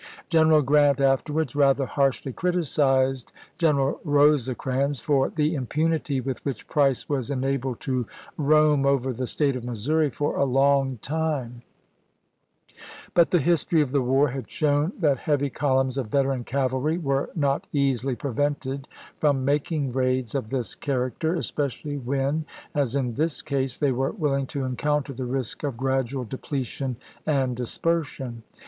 Greneral Grant afterwards rather harshly criticized General Eosecrans for " the impunity with which Price was enabled to roam over the State of Missouri for a long time"; but the history of the war had shown that heavy columns of veteran cavalry were not easily prevented from making raids of this char acter, especially when, as in this case, they were willing to encounter the risk of gradual depletion and dispersion.